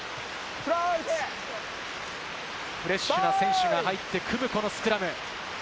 フレッシュな選手が入って組む、このスクラム。